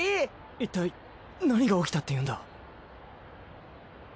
いったい何が起きたっていうんだ。